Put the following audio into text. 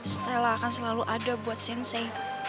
stela akan selalu ada buat sensei